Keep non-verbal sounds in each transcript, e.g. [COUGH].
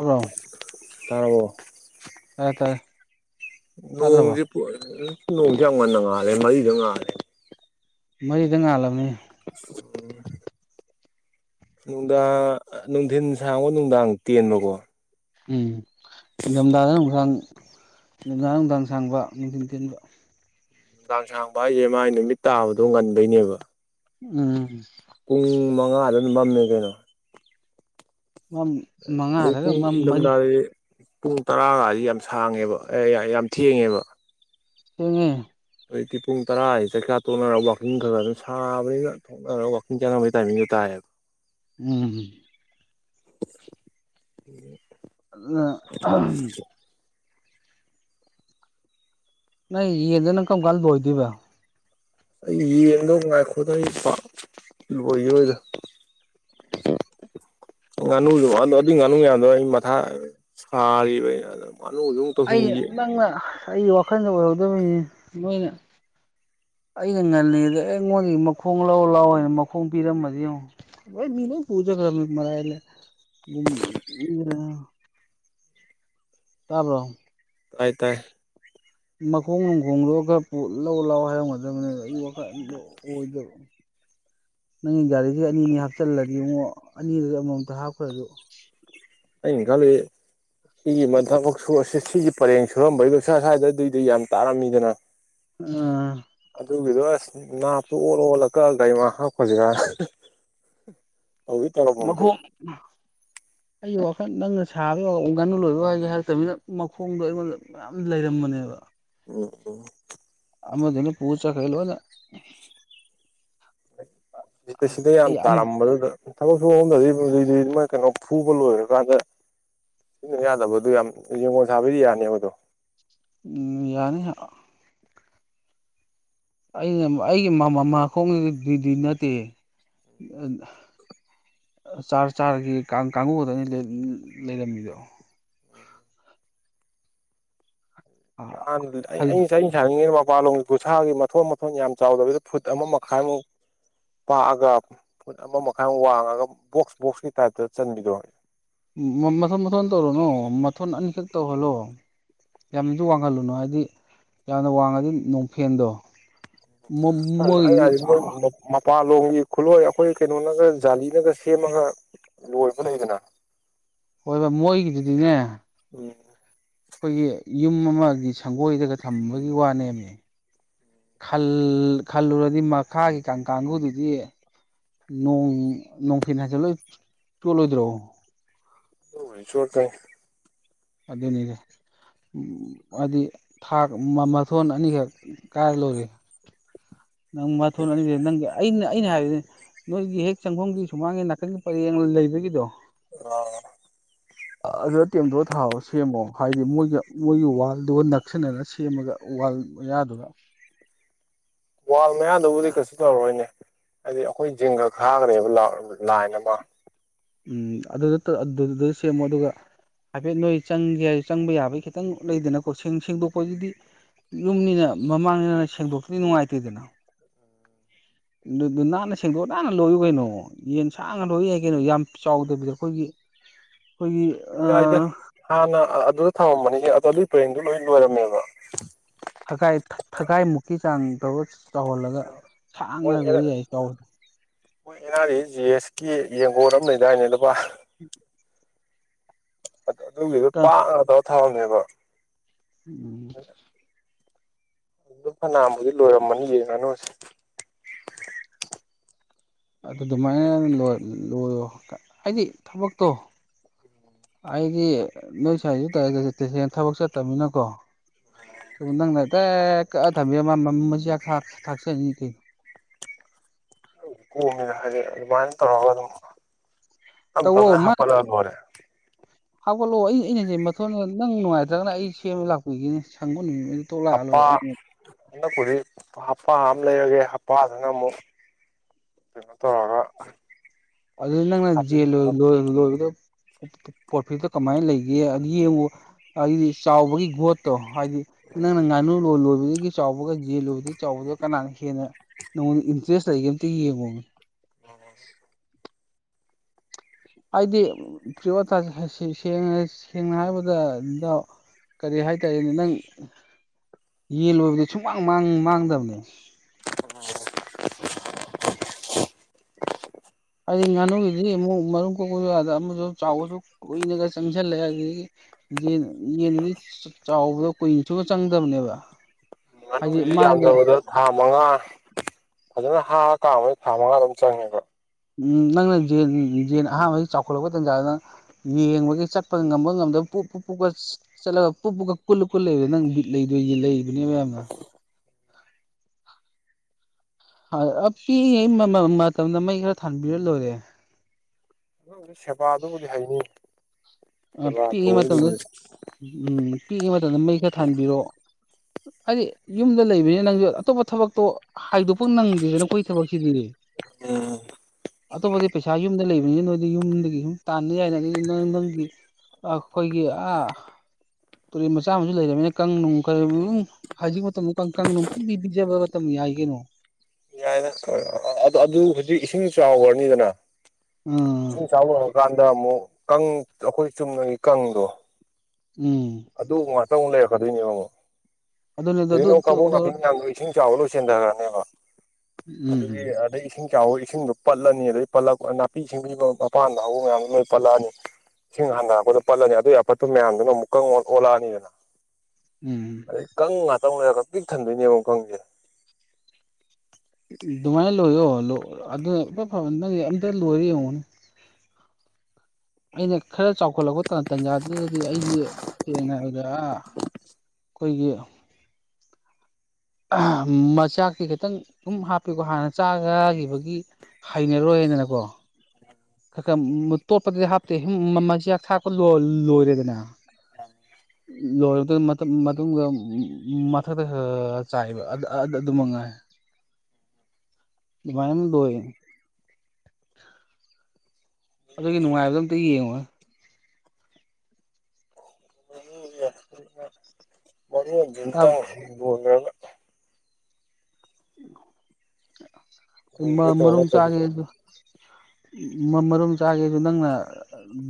ꯑꯂ ꯇꯥꯕꯣ ꯇꯥꯗ꯭ꯔꯕꯣ ꯅꯣꯡꯁꯦ ꯅꯣꯡꯁꯦ ꯌꯥꯝ ꯉꯟꯅ ꯉꯥꯜꯂꯦ ꯃꯔꯤꯁꯨ ꯉꯥꯜꯂꯦ ꯃꯔꯤꯗ ꯉꯥꯜꯂꯝꯅꯤ ꯑꯣ ꯅꯨꯡꯗꯥꯡ ꯅꯨꯡꯊꯤꯟ ꯁꯥꯡꯕ ꯅꯨꯡꯗꯥꯡ ꯇꯦꯟꯕꯀꯣ ꯎꯝ ꯏꯝꯗꯥꯗꯥꯡ ꯅꯨꯡꯗꯥꯡ ꯅꯨꯡꯗꯥꯡ ꯁꯥꯡꯕ ꯅꯨꯡꯊꯤꯟ ꯇꯤꯟꯕ ꯅꯨꯡꯗꯥꯡ ꯁꯥꯡꯕ ꯍꯥꯏꯁꯦ ꯃꯥꯥꯏ ꯅꯨꯃꯤꯠ ꯇꯥꯕꯗꯣ ꯉꯟꯕꯩꯅꯦꯕ ꯎꯝ ꯄꯨꯡ ꯃꯉꯥ ꯑꯗꯨꯝ ꯃꯝꯃꯦ ꯀꯩꯅꯣ ꯃꯝ ꯑꯗꯗꯒꯤ ꯃꯉꯥꯗꯒ ꯄꯨꯡ ꯃꯝ ꯃꯔꯤ ꯏꯝꯗꯥꯗ ꯄꯨꯡ ꯇꯔꯥꯁꯤ ꯌꯥꯝ ꯁꯥꯡꯉꯦꯕ ꯑꯦ ꯌꯥꯝ ꯊꯦꯡꯉꯦꯕ ꯎ ꯉꯦ ꯍꯧꯖꯤꯛꯇꯤ ꯄꯨꯡ ꯇꯔꯥꯁꯤ ꯆꯩꯈꯥ ꯇꯣꯛꯅꯔꯒ ꯋꯥꯀꯤꯡ ꯈꯔ ꯈ ꯑꯗꯨꯝ ꯁꯥꯕꯅꯤꯅ ꯊꯣꯛꯅꯔꯒ ꯋꯥꯀꯤꯡ ꯆꯥꯟꯅꯕꯒꯤ ꯇꯥꯏꯃꯤꯡꯗꯣ ꯇꯥꯏꯦ ꯐ ꯎꯝ ꯑ ꯑꯗꯨꯅ ꯅꯪ ꯌꯦꯟꯗꯨꯅ ꯀꯔꯝꯀꯟ ꯂꯣꯏꯗꯣꯏꯕ ꯑꯩ ꯌꯦꯡꯗꯣ ꯉꯥꯏꯈꯣꯠꯇ ꯑꯩ ꯄꯥꯛ ꯂꯣꯏꯈꯤꯔꯣꯏꯗ꯫ ꯉꯥꯅꯨꯗꯨꯗꯣ ꯑꯗꯨ ꯉꯥꯅꯨ ꯉꯌꯥꯝꯗꯣ ꯑꯩ ꯃꯊꯥ ꯁꯥꯔꯤꯕ ꯉꯥꯅꯨꯁꯨ ꯑꯃꯨꯛ ꯑꯩ ꯇꯧꯁꯤꯟꯈꯤ ꯅꯪꯅ ꯑꯩꯒꯤ ꯋꯥꯈꯜꯗ ꯑꯣꯏꯍꯧꯗꯃꯤꯅꯤ ꯅꯣꯏꯅ ꯑꯩꯅ ꯉꯜꯂꯤꯉꯩꯗ ꯑꯦ ꯑꯩꯉꯣꯟꯗꯒꯤ ꯃꯈꯣꯡ ꯂꯥꯎ ꯂꯥꯎ ꯍꯥꯏꯅ ꯃꯈꯣꯡ ꯄꯤꯔꯝꯃꯗꯤ ꯌꯦꯡꯉꯣ ꯃꯔ [UNINTELLIGIBLE] ꯇꯥꯕ꯭ꯔꯣ ꯇꯥꯏ ꯇꯥꯏ ꯃꯈꯣꯡ ꯅꯨꯡꯈꯣꯡꯗꯣ ꯈꯔ ꯄꯨ ꯂꯧ ꯂꯥꯎ ꯍꯥꯏꯔꯝꯒꯗꯕꯅꯤ ꯑꯩ ꯋꯥꯈꯜ ꯑꯗꯨ ꯑꯣꯏꯗꯕ [INAUDIBLE] ꯅꯪꯒꯤ ꯒꯥꯔꯤꯁꯦ ꯑꯅꯤ ꯅꯤ ꯍꯥꯞꯆꯜꯂꯗꯤꯉꯣ ꯑꯅꯤꯗꯨꯗ ꯑꯃꯃꯝꯇ ꯍꯥꯞꯈ꯭ꯔꯁꯨ ꯑꯩ ꯈꯜꯂꯤ ꯁꯤꯒꯤ ꯃꯊꯛ ꯁꯨꯔ ꯁꯤꯒꯤ ꯄꯔꯦꯡ ꯁꯨꯔꯝꯕꯩꯗꯣ ꯁꯥꯏꯋꯗ ꯗꯨꯢ ꯗꯨꯢ ꯌꯥꯝ ꯇꯥꯔꯝꯃꯤꯗꯅ ꯑꯥ ꯑꯗꯨꯒꯤꯗꯣ ꯑꯁ ꯅꯥꯞꯇꯣ ꯑꯣꯜꯂ ꯑꯣꯜꯂ ꯀꯛꯑꯥ ꯀꯛꯑꯥ ꯒꯥꯔꯤꯃꯥꯡ ꯍꯥꯞꯈ꯭ꯔꯁꯤꯔꯥ [INAUDIBLE] ꯇꯧꯔꯝꯃꯕꯅꯦ ꯃꯈꯣꯡ ꯑꯩꯒꯤ ꯋꯥꯈꯜ ꯅꯪꯅ ꯁꯥꯕꯒꯤ ꯉꯅꯨ ꯂꯣꯏꯕꯩ ꯋꯥꯍꯩ ꯍꯥꯏꯔꯛꯇꯕꯅꯤꯅ ꯃꯈꯣꯡꯗꯣ ꯑꯩꯉꯣꯟꯗ ꯃꯌꯥꯝ ꯂꯩꯔꯝꯕꯅꯦꯕ ꯎꯝ ꯑꯃꯗꯨꯅ ꯄꯨꯨ ꯆꯠꯈ꯭ꯔꯦ ꯂꯣꯏꯅ ꯁꯤꯗ ꯁꯤꯗ ꯌꯥꯝ ꯑꯩ ꯑꯃ ꯇꯥꯔꯝꯕꯗꯨꯗ ꯊꯕꯛ ꯁꯨ ꯐꯝꯗꯗꯤ ꯗꯨꯢ ꯗꯨꯢ ꯃꯥꯢ ꯀꯩꯅꯣ ꯐꯨꯕ ꯂꯣꯏꯔꯀꯥꯟꯗ ꯁꯤꯖꯤꯟꯅꯕ ꯌꯥꯗꯕꯗꯨ ꯌꯥꯝ ꯌꯦꯡꯒꯣꯟ ꯁꯕꯩꯗꯤ ꯌꯥꯅꯦꯕ ꯑꯗꯨ ꯎꯝ ꯌꯥꯅꯤ ꯑꯩꯅ ꯑꯩꯒꯤ ꯃꯃꯥꯈꯣꯡ ꯑꯗꯨ ꯗꯨꯢ ꯗꯨꯢ ꯅꯠꯇꯦ ꯆꯥꯔ ꯆꯥꯔꯒ ꯀꯥꯡꯉꯨ ꯈꯛꯇꯅꯤ ꯂꯩꯔꯝꯃꯤꯗꯣ ꯅꯥꯍꯟꯒꯤꯗꯨꯗꯤ ꯑꯩꯪ [UNINTELLIGIBLE] [UNINTELLIGIBLE] ꯃꯄꯥꯜꯂꯣꯝꯒꯤ ꯈꯨꯁꯥꯒꯤ ꯃꯊꯣꯟ ꯃꯊꯣꯟ ꯌꯥꯝ ꯆꯥꯎꯗꯕꯤꯗ ꯐꯨꯠ ꯑꯃ ꯃꯈꯥꯏꯃꯨꯛ ꯄꯥꯛꯑꯒ ꯐꯨꯠ ꯑꯃ ꯃꯈꯥꯏ ꯋꯥꯡꯉꯒ ꯕꯣꯛꯁ ꯕꯣꯛꯁꯀꯤ ꯇꯥꯏꯞꯇ ꯆꯟꯕꯤꯗꯣ ꯊꯣꯟ ꯑꯅꯤꯈꯛ ꯇꯧꯍꯜꯂꯣ ꯌꯥꯝꯅꯁꯨ ꯋꯥꯡꯍꯜꯂꯨꯅꯨ ꯍꯥꯏꯗꯤ ꯌꯥꯝꯅ ꯋꯥꯡꯉꯗꯤ ꯅꯣꯡꯐꯦꯟꯗꯣ ꯑꯩ ꯃꯣꯏꯒꯤꯗꯨꯗꯤ ꯍꯥꯏꯗꯤ ꯃꯣꯏ ꯆꯥꯎ ꯃꯄꯥꯟꯂꯣꯝꯒꯤ ꯈꯨꯠꯂꯣꯏ ꯑꯩꯈꯣꯏ ꯀꯩꯅꯣꯅꯒ ꯖꯥꯂꯤꯅꯒ ꯁꯦꯝꯃꯒ ꯂꯣꯏꯕ ꯂꯩꯗꯅ ꯍꯣꯏꯕ ꯃꯣꯏꯒꯤꯗꯨꯗꯤꯅꯦ ꯎꯝ ꯑꯩꯈꯣꯏꯒꯤ ꯌꯨꯝ ꯑꯃꯒꯤ ꯁꯪꯒꯣꯏꯗꯒ ꯊꯝꯕꯒꯤ ꯋꯥꯅꯦꯃꯤ ꯈꯜꯂꯨꯔꯗꯤ ꯃꯈꯥꯒꯤ ꯀꯥꯡ ꯀꯥꯡꯒꯨꯗꯨꯗꯤ ꯅꯣꯡ ꯅꯣꯡ ꯐꯦꯟ ꯍꯥꯏꯖꯤꯟ ꯆꯣꯠꯂꯣꯏꯗ꯭ꯔꯣ ꯑꯗꯨꯕꯨꯗꯤ ꯆꯣꯠꯀꯅꯤ ꯑꯗꯨꯅꯤꯗ ꯍꯥꯏꯗꯤ ꯊꯥꯛ ꯃꯊꯣꯟ ꯑꯅꯤꯈꯛ ꯀꯥꯏꯔ ꯂꯣꯢꯔꯦ ꯅꯪ ꯃꯊꯣꯟ ꯑꯅꯤꯗꯨ ꯅꯪ ꯑꯩꯅ ꯑꯩꯅ ꯍꯥꯏꯕꯗꯤ ꯅꯣꯏꯒꯤ ꯍꯦꯛ ꯆꯪꯐꯝꯒꯤ ꯁꯨꯃꯥꯡꯒꯤ ꯅꯥꯀꯟꯒꯤ ꯄꯔꯦꯡ ꯂꯩꯕꯒꯤꯗꯣ ꯑꯣ ꯑꯗꯨ ꯇꯦꯝꯗꯣꯛꯑ ꯊꯥꯔꯣ ꯁꯦꯝꯃꯣ ꯍꯥꯏꯗꯤ ꯃꯣꯏꯒꯤ ꯃꯣꯏꯒꯤ ꯋꯥꯜꯗꯨꯒ ꯅꯛꯁꯤꯟꯅꯅ ꯁꯦꯝꯃꯒ ꯋꯥꯜ ꯃꯌꯥꯗꯨꯒ ꯋꯥꯜ ꯃꯌꯥꯗꯨꯕꯨꯗꯤ ꯀꯩꯁꯨ ꯇꯧꯔꯣꯏꯅꯦ ꯍꯥꯏꯗꯤ ꯑꯩꯈꯣꯏ ꯖꯤꯡꯒ ꯈꯥꯒꯔꯦꯕ ꯂꯥꯏꯟ ꯑꯃ ꯎꯝ ꯑꯗꯨꯗ ꯑꯗꯨꯗ ꯁꯦꯝꯃꯣ ꯑꯗꯨꯒ ꯍꯥꯏꯐꯦꯠ ꯅꯣꯏ ꯆꯪꯒꯦ ꯍꯥꯏ ꯆꯪꯕ ꯌꯥꯕꯩ ꯈꯤꯇꯪ ꯂꯩꯗꯅꯀꯣ ꯁꯦꯡꯗꯣꯛꯄꯁꯤꯗꯤ ꯌꯨꯝꯅꯤꯅ ꯃꯃꯥꯡꯅꯤꯅ ꯁꯦꯡꯗꯣꯛꯇ꯭ꯔꯗꯤ ꯅꯨꯡꯉꯥꯏꯇꯦꯗꯅ ꯑꯗꯨ ꯅꯥꯟꯅ ꯁꯦꯡꯗꯣꯛꯑ ꯅꯥꯟꯅ ꯂꯣꯏꯌꯨ ꯀꯩꯅꯣ ꯌꯦꯟ ꯁꯥꯡꯅ ꯂꯣꯏ ꯌꯥꯏ ꯀꯩꯅꯣ ꯌꯥꯝ ꯆꯥꯎꯗꯕꯤꯗ ꯑꯩꯈꯣꯏꯒꯤ [UNINTELLIGIBLE] ꯌꯥꯏꯗ ꯍꯥꯟꯅ ꯑꯗꯨꯗ ꯊꯥꯃꯝꯕꯅꯤ ꯑꯗꯨꯢ ꯄꯔꯦꯡꯗꯨ ꯂꯣꯏ ꯂꯣꯏꯔꯝꯃꯦꯕ ꯊꯈꯥꯏ ꯊꯈꯥꯏ ꯃꯨꯛꯀꯤ ꯆꯥꯥꯡ ꯇꯧꯔ ꯆꯥꯎꯍꯜꯂꯒ ꯁꯥꯡꯅ ꯍ ꯂꯣꯏ ꯌꯥꯏ ꯆꯥꯎ ꯎꯝ ꯍꯣꯏ ꯑꯦꯅꯥꯔꯤꯖꯤꯁ ꯀ ꯌꯦꯡꯒꯣꯜ ꯑꯃ ꯂꯩꯗꯥꯏꯅꯦ ꯂꯄꯥ ꯎ ꯑꯗꯨ ꯑꯗꯨꯒꯤꯗ ꯄꯥꯛꯑꯗꯧ ꯊꯔꯝꯃꯦꯕ ꯎꯝ ꯑꯗꯨꯝ ꯐꯅꯥꯕꯨꯗꯤ ꯂꯣꯏꯔꯝꯃꯅꯤ ꯌꯦ ꯉꯥꯅꯨꯁꯦ ꯑꯗꯨ ꯑꯗꯨꯃꯥꯏꯅ ꯂꯣꯏꯔꯣ ꯍꯥꯏꯗꯤ ꯊꯕꯛꯇꯣ ꯑꯩꯗꯤ ꯅꯣꯏꯁꯖ ꯇꯔꯁꯅ ꯊꯕꯛ ꯆꯠꯇꯅꯤꯅꯀꯣ ꯅꯪꯅ ꯇ ꯀ ꯊꯕꯤ ꯃ ꯃꯖꯤꯌꯥ ꯊ ꯊꯥꯛꯁ ꯀ ꯀꯣꯃꯤꯅ ꯍꯥꯏꯗꯤꯛ ꯑꯗꯨꯃꯥꯏꯅ ꯇꯧꯔꯒ ꯑꯗꯨꯝ ꯇꯞ ꯇꯧꯋꯣ ꯇꯞꯅ ꯃꯥ ꯍꯥꯞꯄꯠꯂꯒ ꯂꯣꯏꯔꯦ ꯍꯧꯒꯠꯂꯛꯑꯣ ꯑꯩ ꯑꯩꯅꯁꯦ ꯃꯊꯣꯟ ꯅꯪ ꯅꯨꯡꯉꯥꯏꯇ꯭ꯔꯒꯅ ꯑꯩ ꯁꯦꯝꯕ ꯂꯥꯛꯄꯤꯒꯅꯤꯅꯦ ꯁꯪꯕ ꯇꯣꯂꯥꯜꯂꯣ ꯑꯩ ꯍꯗꯕꯨꯗꯤ ꯍꯄꯥ ꯑꯃ ꯂꯩꯔꯒꯦ ꯍꯞꯄꯥꯗꯨꯅ ꯑꯃꯨꯛ ꯀꯩꯅ ꯑꯗꯨ ꯂ ꯍꯥꯞꯆꯤꯟꯕꯗ ꯂ ꯄ꯭ꯔꯣꯐꯤꯠꯇꯣ ꯀꯃꯥꯏꯅ ꯂꯩꯒꯦ ꯌꯦꯡꯉꯨ ꯍꯥꯏꯗꯤ ꯆꯥꯎꯕꯒꯤ ꯒꯣꯠꯇꯣ ꯍꯥꯏꯗꯤ ꯅꯪꯅꯪ ꯉꯅꯨ ꯂꯣꯏ ꯂꯣꯏ ꯗꯒꯤ ꯆꯥꯎꯕꯒ ꯌꯦꯂꯨꯕꯗꯒꯤ ꯆꯥꯎꯕꯗꯨ ꯀꯅꯥꯅ ꯍꯦꯟꯅ ꯅꯉꯣꯟꯗ ꯏꯟꯇꯔꯦꯁ ꯂꯩꯒꯦ ꯑꯃꯝꯇ ꯌꯦꯡꯉꯨꯕꯅꯦ [INAUDIBLE] ꯑꯩꯗꯤ ꯄ꯭ꯔꯤ ꯁꯦꯡꯅ ꯍꯥꯏꯕꯗꯗ ꯀꯔꯤ ꯍꯥꯏꯇꯥꯔꯦꯅꯦ ꯅꯪ ꯌꯦꯟ ꯂꯣꯏꯕꯗꯤ ꯁꯨꯃꯥꯡ ꯃꯥꯡꯗꯕꯅꯦ [INAUDIBLE] ꯍꯥꯏꯗꯤ ꯉꯥꯅꯨꯒꯤꯗꯤ ꯑꯃꯨꯛ ꯃꯔꯨꯝ ꯀꯣꯛꯄ ꯌꯥꯗ ꯑꯃꯁꯨ ꯆꯥꯎꯕꯁꯨ ꯀꯨꯏꯅꯒ ꯆꯪꯁꯤꯜꯂꯦ ꯑꯗꯨꯗꯒꯤ ꯌꯦꯟꯗꯨꯗꯤ ꯆꯥꯎꯕꯗ ꯀꯨꯏꯅ ꯁꯨꯕ ꯆꯪꯗꯕꯅꯦꯕ ꯎ ꯍꯥꯏꯗꯤ ꯉꯥꯅꯨꯁꯤ ꯃꯥꯗ ꯌꯥꯝꯗꯕꯗ ꯊꯥ ꯃꯉꯥ ꯐꯖꯅ ꯍꯥ ꯀꯥꯕꯩ ꯊꯥ ꯃꯉꯥ ꯑꯗꯨꯝ ꯆꯪꯉꯦꯕ ꯅꯪꯅ ꯖꯦꯟ ꯑꯍꯥꯟꯕꯒꯤ ꯆꯥꯎꯈꯠꯂꯛꯄ ꯇꯥꯟꯖꯥꯗꯨꯅ ꯌꯦꯡꯕꯒꯤ ꯆꯠꯄ ꯉꯝꯕ ꯉꯝꯗꯕ ꯄꯨ ꯄꯨꯛꯀ ꯆꯠꯂꯒ ꯄꯨ ꯀꯨꯜ ꯀꯨ ꯂꯩꯕ ꯅ ꯕꯤꯠ ꯂꯩꯗꯣꯏ ꯂꯩꯕꯅꯦ ꯃꯌꯥꯝꯅ ꯑꯄꯤꯛꯉꯩ ꯃꯇꯝꯗ ꯃꯩ ꯈꯔ ꯊꯥꯟꯕꯤꯔ ꯂꯣꯏꯔꯦ ꯑꯗꯨ ꯍꯧ ꯁꯦꯕꯥꯗꯨꯕꯨꯗꯤ ꯍꯩꯅꯤ ꯁꯦꯕꯥ ꯄꯤꯛꯏꯉꯩ ꯃꯇꯝꯗ ꯇꯧꯕꯩꯗꯨꯕꯨꯗꯤ ꯎꯝ ꯄꯤꯛꯏꯉꯩ ꯃꯇꯝꯗ ꯃꯩ ꯈꯔ ꯊꯥꯟꯕꯤꯔꯛꯑꯣ ꯍꯥꯏꯗꯤ ꯌꯨꯝꯗ ꯂꯩꯕꯅꯤ ꯅꯪꯁꯨ ꯑꯇꯣꯞꯄ ꯊꯕꯛꯇꯣ ꯍꯥꯏꯗꯣꯛꯄ ꯅꯪꯗꯦꯗꯅ ꯑꯩꯈꯣꯏ ꯊꯕꯛꯁꯤꯗꯤ ꯑꯇꯣꯞꯄꯗꯤ ꯄꯩꯁꯥ ꯌꯨꯝꯗ ꯂꯩꯕꯅꯤꯅ ꯅꯣꯏꯗꯤ ꯌꯨꯝꯗꯒꯤ ꯁꯨꯝ ꯇꯥꯟꯅꯤ ꯌꯥꯏꯅ ꯑꯗꯨꯗꯤ ꯅ ꯅꯪꯒꯤ ꯑꯩꯈꯣꯏꯒꯤ ꯑ ꯇꯨꯔꯦꯟ ꯃꯆꯥ ꯑꯃꯁꯨ ꯂꯩꯔꯕꯅꯤꯅ ꯀꯅꯨꯡ ꯀꯔꯤ ꯍꯥꯏꯖ ꯃꯇꯝꯗ ꯅꯨꯡ ꯄ ꯄꯤꯖꯕ ꯃꯇꯝꯅꯤ ꯌꯥꯏ ꯀꯩꯅꯣ ꯌꯥꯏ ꯀ ꯑ ꯑꯗꯨ ꯍꯧꯖꯤꯛ ꯏꯁꯤꯡ ꯆꯥꯎꯈ꯭ꯔꯅꯤꯗꯅ ꯎꯝ ꯏꯁꯤꯡ ꯆꯥꯎꯈ꯭ꯔꯀꯥꯟꯗ ꯑꯃꯨꯛ ꯀꯥꯡ ꯑꯩꯈꯣꯏ ꯆꯨꯝꯅꯒꯤ ꯀꯥꯡꯗꯣ ꯎꯝ ꯑꯗꯨ ꯉꯥꯛꯇ ꯑꯃꯨꯛ ꯂꯩꯔꯛꯀꯗꯣꯏꯅꯦꯕ ꯑꯃꯨꯛ ꯑꯗꯨꯅꯦ ꯑꯗꯨ ꯅ ꯀꯥꯡꯕꯨ ꯎꯝ ꯅꯥꯄꯤꯗ ꯏꯁꯤꯡ ꯆꯥꯕ ꯂ ꯆꯦꯟꯊꯈ꯭ꯔꯅꯦꯕ ꯑꯗꯨꯒꯤ ꯑꯗꯩ ꯏꯁꯤꯡ ꯀꯍꯋ ꯏꯁꯤꯡꯗꯣ ꯄꯠꯂꯅꯤ ꯑꯗꯩ ꯄꯜꯂꯛꯄ ꯅꯥꯄꯤ ꯁꯤꯡꯕꯤꯕ ꯃꯄꯥꯟꯗ ꯍꯧꯕ ꯃꯌꯥꯝꯗꯣ ꯂꯣꯏ ꯄꯠꯂꯛꯑꯅꯤ ꯁꯤꯡ ꯍꯟꯅꯔꯛꯄꯗꯣ ꯄꯜꯂꯅꯤ ꯑꯗꯨ ꯑꯄꯠꯄ ꯃꯌꯥꯝꯗꯨꯅ ꯑꯃꯨꯛ ꯀꯥ ꯑꯣꯜꯂꯛꯑꯅꯤꯗꯅ ꯎꯝ ꯑꯗꯩ ꯀꯪ ꯉ ꯇꯧꯉꯔꯒ ꯄꯤꯛ ꯊꯟꯗꯣꯏꯅꯦꯕꯨꯛ ꯈꯪꯖꯦ ꯑꯗꯨꯃꯥꯏꯅ ꯂꯣꯏꯌꯣ ꯑꯗꯨ ꯏꯐ ꯐꯕ ꯅꯪꯗꯤ ꯑꯝꯇ ꯂꯣꯏꯔ ꯌꯦꯡꯉꯨꯅꯦ ꯑꯩꯅ ꯈꯔ ꯆꯥꯎꯈꯠꯂꯛꯄ ꯇꯟꯖꯥꯗꯨꯗꯗꯤ ꯑꯩꯗꯤ ꯁꯦꯡꯅ ꯍꯥꯏꯔꯗ꯭ꯔ ꯀꯣꯏꯒꯤ ꯃꯆꯥꯛꯁꯤ ꯈꯤꯇꯪ ꯑꯗꯨꯝ ꯍꯥꯞꯄꯤꯀꯣ ꯍꯥꯟꯅ ꯆꯥꯈꯤꯕꯒꯤ ꯍꯩꯅꯔꯣꯏꯅꯀꯣ ꯈ ꯈ ꯇꯣꯠꯄꯗꯗꯤ ꯍꯥꯞꯇꯦ ꯃꯆꯥꯛ ꯊꯥꯛꯄ ꯂꯣꯏꯔꯦꯗꯅ [INAUDIBLE] ꯂꯣꯏꯔꯕꯗꯨ ꯃꯇꯨꯡꯗ ꯃꯊꯛꯇ ꯈ ꯆꯥꯏꯕ ꯑꯗꯨ ꯃꯉꯥꯏ ꯑꯗꯨꯃꯥꯏꯗ ꯑꯗꯨꯒꯤ ꯅꯨꯡꯉꯥꯏꯕꯗꯣ ꯑꯝꯇ ꯌꯦꯡꯉꯣ ꯃꯔꯇ ꯂꯣꯏꯒꯦ ꯇꯧ ꯃꯔꯔꯨꯝ ꯅꯠꯇ꯭ꯔꯗꯤ ꯆꯥꯒ ꯑꯗꯨ ꯃꯔꯨꯝ ꯆꯥꯒꯦꯁꯨ ꯅꯪꯅ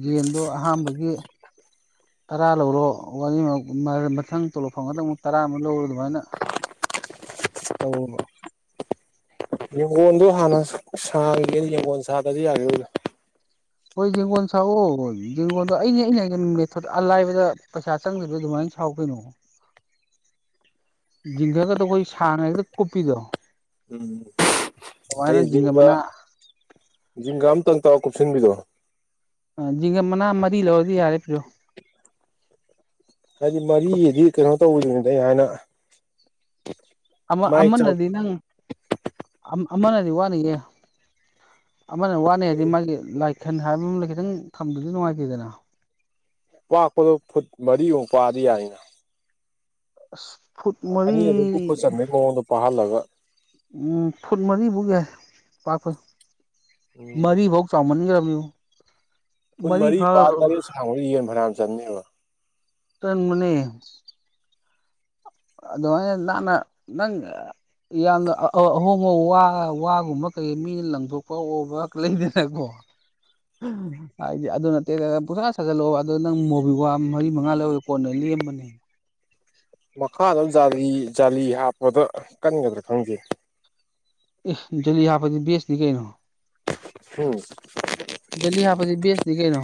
ꯌꯦꯖꯟꯗꯣ ꯑꯍꯥꯥꯟꯕꯒꯤ ꯇꯔꯥ ꯂꯧꯔꯣ ꯋꯥꯔꯤ ꯃꯊꯪ ꯇꯣꯂꯣ ꯐꯥꯎ ꯃꯗꯪ ꯑꯃꯨꯛ ꯇꯔꯥ ꯑꯃꯨꯛ ꯂꯧꯔꯣ ꯑꯗꯨꯃꯥꯏꯅ ꯇꯧꯔꯕ ꯌꯦꯡꯒꯣꯟꯜꯗꯣ ꯍꯥꯟꯅ ꯁꯥꯡꯉꯒꯦꯅ ꯌꯦꯡꯉꯣꯟ ꯁꯥꯗꯁꯨ ꯌꯥꯒꯦꯗ ꯍꯣꯏ ꯌꯦꯡꯒꯣꯜ ꯁꯥꯛꯑꯣ ꯍꯒꯣꯟꯗꯣ ꯑꯩꯅ ꯑꯩꯅ ꯃꯦꯊꯠ ꯑꯂꯥꯏꯕꯗ ꯄꯩꯁꯥ ꯆꯪꯗꯕꯗ ꯑꯗꯨꯃꯥꯏꯅ ꯥꯎ ꯀꯩꯅꯣ ꯖꯤꯡꯒꯀꯗ ꯑꯩꯈꯣꯏ ꯁꯥꯟꯅꯗ ꯀꯨꯞꯄꯤꯗꯣ ꯎꯝ ꯑꯗꯨꯃꯥꯏꯅ ꯑꯩ ꯖꯤꯡꯒ ꯖꯤꯡꯒꯥ ꯃꯅꯥ ꯖꯤꯡꯒꯥ ꯑꯃꯝꯇꯪ ꯇꯥꯎ ꯀꯨꯞꯁꯤꯟꯕꯤꯗꯣ ꯖꯤꯡꯒ ꯃꯅꯥ ꯃꯔꯤ ꯂꯧꯔꯗꯤ ꯌꯥꯔꯦ ꯄ꯭ꯔꯣ ꯍꯥꯏꯗꯤ ꯃꯔꯤꯒꯤꯗꯤ ꯀꯩꯅꯣ ꯇꯧꯕꯗꯅꯤꯗ ꯑꯩ ꯍꯥꯏꯥꯟꯅ ꯑꯃꯅꯗꯤ ꯅꯪ ꯑꯃꯅꯗꯤ ꯋꯥꯅꯤꯌꯦ ꯑꯃꯅ ꯋꯥꯅꯤ ꯍꯥꯏꯗꯤ ꯃꯥꯒꯤ ꯂꯥꯏꯈꯟ ꯍꯥꯏꯕꯗ ꯈꯤꯇꯪ ꯊꯝꯕꯗꯤ ꯅꯨꯡꯉꯥꯏꯇꯦꯗꯅ [INAUDIBLE] ꯄꯥꯛꯄꯗꯣ ꯐꯨꯠ ꯃꯔꯤꯃꯨꯛ ꯄꯥꯗꯤ ꯌꯥꯏꯅ ꯐꯨꯠ ꯃꯔꯤ ꯀꯨꯞꯄ ꯆꯟꯕꯩ ꯃꯑꯣꯡꯗ ꯄꯥꯍꯜꯂꯒ ꯎꯝ ꯐꯨꯠ ꯃꯔꯤꯐꯥꯎꯒꯤ ꯄꯥꯛꯈ ꯎꯝ ꯃꯔꯤꯐꯧ ꯆꯥꯎꯃꯟꯒ꯭ꯔ ꯍꯣ [UNINTELLIGIBLE] ꯐꯨꯟ ꯃꯔꯤ ꯄꯥ ꯇꯔꯦꯠ ꯁꯥꯡꯕ ꯌꯦꯟ ꯐꯅꯅ ꯆꯪꯅꯦꯕ ꯆꯟ ꯃꯅꯦ ꯑꯗꯨ ꯂꯅ ꯌꯥꯝꯅ ꯑꯍꯣꯡꯕ ꯋꯥ ꯋꯥꯒꯨꯝꯕ ꯀꯩ ꯃꯤꯅ ꯂꯪꯊꯣꯛꯄ ꯑꯣꯕ ꯂꯩꯗꯅꯀꯣ ꯍꯥꯏꯗꯤ ꯑꯗꯨ ꯅꯠꯇꯦ ꯄꯨꯩꯁꯥ ꯁꯥꯖꯜꯂꯛꯑꯣ ꯑꯗꯨꯣ ꯅꯪ ꯃꯨꯕꯤ ꯋꯥ ꯃꯔꯤ ꯃꯉꯥ ꯂꯧ ꯀꯣꯟꯅ ꯂꯦꯝꯅꯦ ꯃꯈꯥꯗ ꯖ ꯖꯥꯂꯤ ꯍꯥꯞꯄꯗ ꯀꯟꯒꯗ꯭ꯔꯥ ꯈꯪꯗꯦ ꯑꯦ ꯌꯥ ꯄꯗꯤ ꯦꯁꯅꯤ ꯀꯩꯩꯅꯣ ꯎꯝ ꯖꯂꯤ ꯍꯥ ꯄꯗꯤ ꯕꯦꯁꯅꯤ ꯀꯩꯅ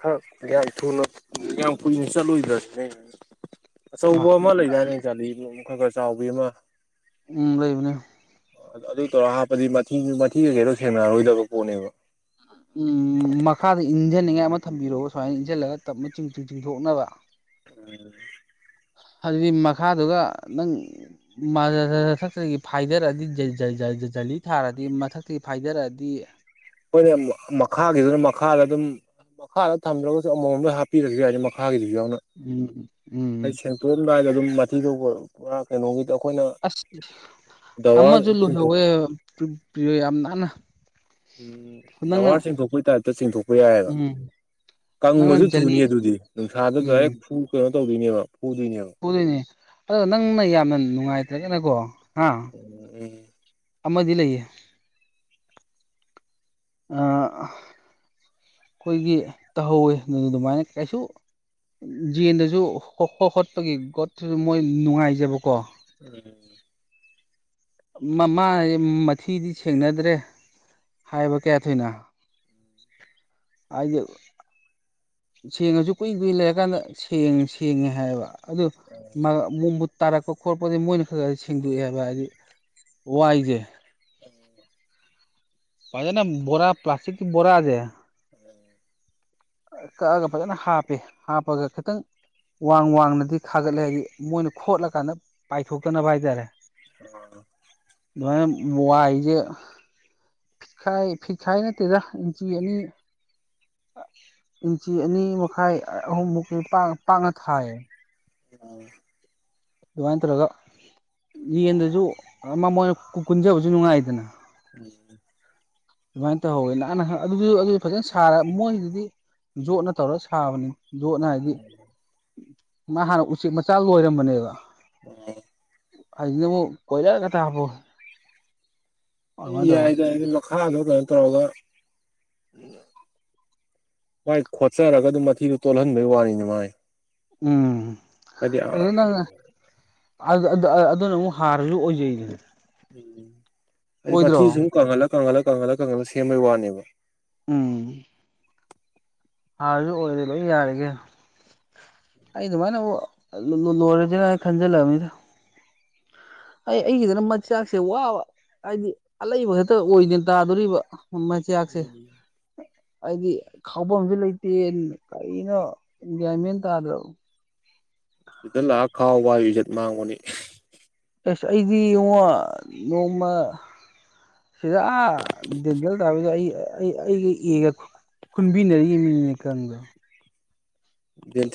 ꯈꯛ ꯌꯥꯝ ꯊꯨꯅ ꯌꯥꯝ ꯀꯨꯏꯅ ꯆꯠꯂꯨꯗ꯭ꯔꯁꯨꯅꯦ ꯑꯆꯧꯕ ꯑꯃ ꯂꯩꯗꯥꯅꯦ ꯆꯂꯤ ꯈꯔ ꯈꯔ ꯆꯥꯎꯕꯤ ꯑꯃ ꯎꯝ ꯂꯩꯕꯅꯦ ꯑꯗꯨ ꯇꯧꯔꯒ ꯍꯥꯞꯄꯗꯤ ꯃꯊꯤꯟ ꯃꯊꯤꯒ ꯀꯩꯔꯣ ꯁꯦꯡꯅꯔꯔꯣꯏꯗꯕ ꯄꯣꯠꯅꯦꯕ ꯎꯝ ꯃꯈꯥꯗ ꯏꯟꯖꯟ ꯊꯝꯕꯤꯔꯑꯣꯕ ꯁꯨꯃꯥꯏꯅ ꯏꯟꯁꯤꯜꯂꯒ ꯇꯞꯅ ꯆꯤꯡ ꯆ ꯆꯤꯡꯊꯣꯛꯅꯕ ꯎꯝ ꯑꯗꯨꯗꯤ ꯃꯈꯥꯗꯨꯒ ꯅꯪ ꯃꯊꯛꯇꯒꯤ ꯐꯥꯏꯗꯔꯗꯤ ꯖꯂꯤ ꯊꯥꯔꯗꯤ ꯃꯊꯛꯇꯒꯤ ꯐꯥꯏꯗꯔꯑꯗꯤ ꯈꯣꯏꯅꯦ ꯃꯈꯥꯒꯤꯗꯨꯅ ꯃꯈꯥꯗ ꯗꯨꯝ ꯃꯈꯥꯗ ꯊꯝꯗ꯭ꯔꯒꯁꯨ ꯑꯃꯃꯝꯗ ꯍꯥꯞꯄꯤꯔꯁꯨ ꯌꯥꯏꯅꯦ ꯃꯈꯥꯒꯤꯗꯤ ꯌꯥꯎꯅ ꯎꯝ ꯎꯝ ꯑꯩ ꯁꯦꯡꯇꯣꯛꯑꯝꯗꯥꯏꯗ ꯑꯗꯨꯝ ꯃꯊꯤꯗꯤꯕꯨ ꯄꯨꯔꯥ ꯀꯩꯅꯣꯒꯤ ꯑꯁ ꯑꯃꯁꯨ ꯆꯤꯡꯊꯣꯛ ꯂꯣꯏꯍꯧꯋꯦ ꯄ꯭ꯌꯨ ꯌꯥꯝ ꯅꯥꯟꯅ ꯎꯝ ꯗꯋꯥꯔ ꯅꯪꯅ ꯆꯤꯡꯊꯣꯛꯄꯩ ꯇꯥꯏꯞꯇ ꯆꯤꯡꯊꯣꯛꯄ ꯌꯥꯏꯌꯦꯕ ꯎꯝ ꯅꯪꯅ ꯀꯪꯕꯁꯨ ꯊꯨꯅꯤ ꯖꯂꯤ ꯑꯗꯨꯗꯤ ꯅꯨꯡꯁꯥꯗꯗꯥ ꯍꯦꯛ ꯎꯝ ꯐꯨ ꯀꯩꯅꯣ ꯇꯧꯗꯣꯏꯅꯦꯕ ꯐꯨꯗꯣꯏꯅꯦꯕ ꯄꯨꯗꯣꯏꯅꯦ ꯑꯗꯣ ꯎꯝ ꯅꯪꯅ ꯌꯥꯝꯅ ꯅꯨꯡꯉꯥꯏꯇ꯭ꯔꯒꯅꯀꯣ ꯍꯥꯥ ꯑꯃꯗꯤ ꯂꯩꯌꯦ ꯑꯥ ꯑꯩꯈꯣꯏꯒꯤ ꯇꯥꯍꯧꯋꯦ ꯎꯝ ꯑꯗꯨꯃꯥꯏꯅ ꯀꯩꯁꯨ ꯖꯦꯟꯗꯁꯨ ꯍꯣ ꯍꯣ ꯍꯣꯠꯄꯒꯤ ꯒꯣꯠꯇꯁꯨ ꯃꯣꯏ ꯅꯨꯡꯉꯥꯏꯖꯕꯀꯣ ꯎꯝ ꯃꯃꯥ ꯃꯊꯤꯗꯤ ꯁꯦꯡꯅꯗ꯭ꯔꯦ ꯍꯥꯏꯕ ꯀꯌꯥ ꯊꯣꯏꯅꯣ ꯑꯩ ꯁꯦꯡꯉꯁꯨ ꯀꯨꯏ ꯀꯨꯏ ꯂꯩꯔꯀꯥꯟꯗ ꯁꯦꯡꯉꯦ ꯁꯦꯡꯉꯦ ꯍꯥꯏꯌꯦꯕ ꯑꯗꯨ ꯃꯥ ꯑꯃꯨꯛ ꯃꯨꯠ ꯇꯥꯔꯛꯄ ꯈꯣꯠꯄꯗꯤ ꯃꯣꯏꯅ ꯈꯔ ꯈ ꯁꯦꯡꯕꯤ ꯍꯥꯏꯕ ꯍꯥꯏꯗꯤ ꯋꯥꯏꯁꯦ ꯐꯥꯖꯅ ꯕꯣꯔꯥ ꯄ꯭ꯂꯥꯁꯇꯤꯛꯀꯤ ꯕꯣꯔꯥꯁꯦ [INAUDIBLE] ꯀꯛꯑꯒ ꯐꯖꯅ ꯍꯥꯞꯄꯦ ꯍꯥꯞꯄꯒ ꯈꯥꯇꯪ ꯋꯥꯡ ꯋꯥꯡꯅꯗꯤ ꯈꯥꯒꯠꯂꯦ ꯃꯣꯏꯅ ꯈꯣꯠꯂꯀꯥꯟꯗ ꯄꯥꯏꯊꯣꯛꯇꯅꯕ ꯍꯥꯏꯇꯥꯔꯦ ꯎꯝ ꯑꯗꯨꯃꯥꯏꯅ ꯋꯥꯏꯁꯦ ꯐꯤꯈꯥꯏ ꯐꯤꯈꯥꯏ ꯅꯠꯇꯦꯗꯥ ꯏꯟꯆꯤ ꯑꯅꯤ ꯏꯟꯆꯤ ꯑꯅꯤ ꯃꯈꯥꯏ ꯑꯍꯨꯝ ꯃꯨꯛꯀꯤ ꯄꯥꯛꯅ ꯄꯥꯛꯅ ꯊꯥꯏꯌꯦ ꯑꯣ ꯑꯗꯨꯃꯥꯏꯅ ꯇꯧꯔꯒ ꯌꯦꯟꯗꯁꯨ ꯃꯃꯣꯟ ꯀꯨꯟꯖꯕꯁꯨ ꯅꯨꯡꯉꯥꯏꯗꯅ [INAUDIBLE] ꯑꯗꯨꯃꯥꯏꯅ ꯇꯧꯍꯧꯋꯦ ꯅꯍꯥꯟ ꯅꯍ ꯑꯗꯨꯁꯨ ꯑꯗꯨꯁꯨ ꯐꯖꯅ ꯁꯥꯔꯒ ꯃꯣꯏꯒꯤꯗꯤ ꯖꯣꯠꯅ ꯇꯧꯔꯒ ꯁꯥꯕꯅꯤ ꯖꯣꯠꯅ ꯍꯥꯏꯗꯤ ꯃꯥ ꯍꯥꯟꯅ ꯎꯆꯦꯛ ꯃꯆꯥ ꯂꯣꯏꯔꯝꯕꯅꯦꯕ [INAUDIBLE] ꯑꯗꯨꯗꯥꯃꯨꯛ ꯀꯣꯏꯂꯔ ꯉꯥꯛꯇꯥ ꯍꯞꯄꯥꯛꯑꯣ ꯌꯥꯏꯗ ꯍꯥꯏꯗꯤ ꯃꯥꯈꯥꯗ ꯇꯧꯔꯥ ꯇꯧꯔꯒꯥ ꯃꯥꯏ ꯈꯣꯠꯆꯔꯒꯗꯨꯝ ꯃꯊꯤꯗꯨ ꯇꯣꯜꯍꯟꯕꯩ ꯋꯥꯅꯤꯗꯥ ꯃꯥꯏ ꯎꯝ ꯍꯥꯏꯗꯤ ꯑꯗꯨ ꯅꯪꯅ ꯑꯗꯨꯅ ꯑꯃꯨꯛ ꯍꯥꯔꯁꯨ ꯑꯣꯏꯖꯩꯗꯅ ꯎꯝ ꯍꯥꯏꯗꯤ ꯃꯊꯤꯁꯨ ꯁꯨꯝ ꯑꯣꯏꯗ꯭ꯔꯣ ꯀꯪꯍꯜꯂ ꯀꯪꯍꯜꯂ ꯀꯪꯍꯜꯂ ꯀꯪꯍꯜꯂ ꯁꯦꯝꯕꯒꯤ ꯋꯥꯅꯦꯕ ꯎꯝ ꯍꯥꯔꯁꯨ ꯑꯣꯏꯔꯦ ꯂꯣꯏ ꯌꯥꯔꯦ ꯀꯩꯅꯣ ꯑꯩ ꯑꯗꯨꯃꯥꯏꯅꯕꯨ ꯂꯣꯏꯔꯁꯤꯔꯥ ꯈꯟꯖꯤꯜꯂꯕꯅꯤꯗ ꯑꯩ ꯑꯩꯒꯤꯗꯅ ꯃꯆꯥꯛꯁꯦ ꯋꯥꯕ ꯍꯥꯏꯗꯤ ꯑꯂꯩꯕ ꯈꯛꯇ ꯑꯣꯏꯅꯥ ꯇꯥꯗꯣꯔꯤꯕ ꯃꯆꯥꯛꯁꯦ ꯑꯩꯗꯤ ꯈꯥꯎꯐꯝꯁꯨ ꯂꯩꯇꯦ ꯀꯔꯤꯅꯣ ꯒꯌ꯭ꯥꯟꯃꯦꯟ ꯇꯥꯗꯔꯕꯥ ꯁꯤꯗ ꯂꯥꯛꯑ ꯈꯥꯎꯕ ꯏꯖꯠ ꯃꯥꯡꯕꯅꯤ ꯑꯁ ꯑꯩꯗꯤ ꯉꯣ ꯅꯣꯡꯃ ꯁꯤꯗꯥ ꯑꯥ ꯗꯦꯟꯇꯦꯜ ꯇꯕꯒꯤ ꯑꯩ ꯑꯩ ꯑꯩꯒꯤ ꯏꯔꯛ ꯈꯨꯟꯕꯤꯅꯔꯤ ꯃꯤꯅꯦꯀꯪꯗ ꯗꯦꯟꯠꯦꯜ